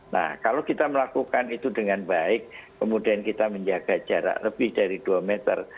nah kalau kita melakukan itu dengan baik kemudian kita menjaga jarak lebih dari dua meter